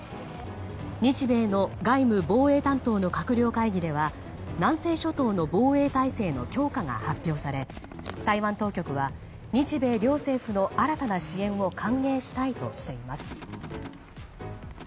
日米の外務防衛会議の閣僚会議では南西諸島の防衛体制の強化が発表され台湾当局は日米両政府の新たな支援を歓迎したいとしています。